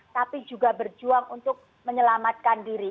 tapi juga berjuang untuk menyelamatkan diri